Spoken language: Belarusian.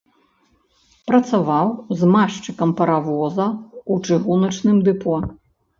Працаваў змазчыкам паравоза ў чыгуначным дэпо.